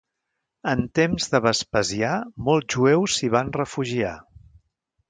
En temps de Vespasià molts jueus s'hi van refugiar.